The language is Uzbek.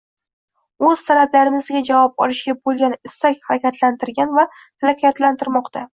o‘z talablarimizga javob olishga bo‘lgan istak harakatlantirgan va harakatlantirmoqda.